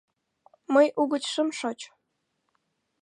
Мый угыч шым шоч.